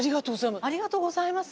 ありがとうございます。